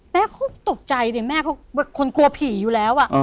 แม่เขาตกใจดิแม่คนกลัวผีอยู่แล้ว